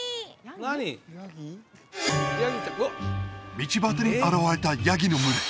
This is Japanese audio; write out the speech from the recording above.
道端に現れたヤギの群れ